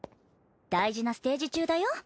大事なステージ中だよ。